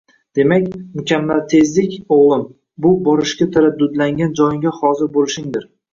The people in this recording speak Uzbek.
Demak, mukammal tezlik, o‘g‘lim, bu — borishga taraddudlangan joyingda hozir bo‘lishingdir.